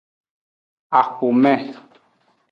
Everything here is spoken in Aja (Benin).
Axome.